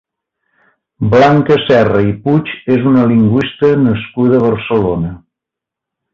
Blanca Serra i Puig és una lingüista nascuda a Barcelona.